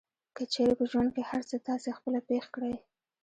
که چېرې په ژوند کې هر څه تاسې خپله پېښ کړئ.